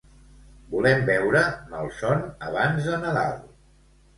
Volem veure "Malson abans de Nadal".